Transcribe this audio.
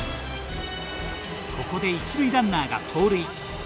ここで一塁ランナーが盗塁。